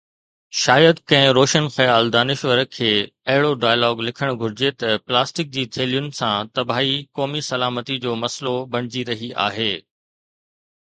شايد ڪنهن روشن خيال دانشور کي اهڙو ڊائلاگ لکڻ گهرجي ته پلاسٽڪ جي ٿيلهين سان تباهي قومي سلامتي جو مسئلو بڻجي رهي آهي.